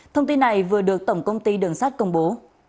thông tin này vừa được tổng công ty đường sát công bố